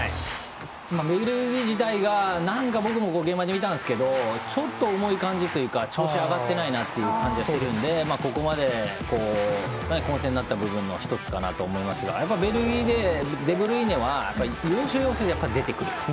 ベルギー時代、何度か現場で見たんですけどちょっと重い感じというか調子が上がってないなと思ってここまで、混戦になった一つかなと思いますがベルギーでデブルイネは要所、要所で出てくると。